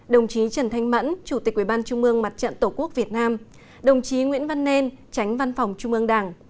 đồng chí trần thanh mẫn chủ tịch ubnd mặt trận tổ quốc việt nam đồng chí nguyễn văn nên tránh văn phòng trung ương đảng